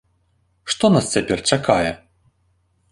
Што нас цяпер чакае?